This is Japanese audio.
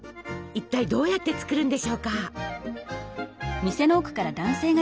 一体どうやって作るんでしょうか？